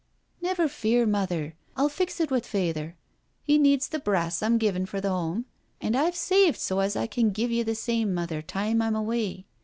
" Never fear, Mother; I'll fix it with Fayther. He needs the brass I'm givin' for th* home, an* I've saved so as I can give ye the same. Mother, time Tm away.